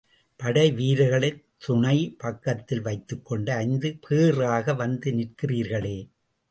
படைவீரர்களைத் துணை பக்கத்தில் வைத்துக்கொண்டு ஐந்து பேறாக வந்துநிற்கிறீர்களே!